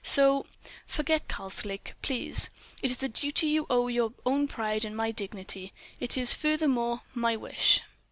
So—forget Karslake, please. It is a duty you owe your own pride and my dignity; it is, furthermore, my wish."